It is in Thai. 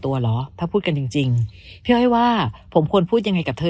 เหรอถ้าพูดกันจริงจริงพี่อ้อยว่าผมควรพูดยังไงกับเธอ